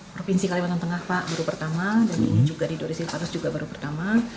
provinsi kalimantan tengah pak baru pertama dan ini juga di dori silvanos juga baru pertama